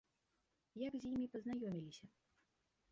Як з імі пазнаёміліся?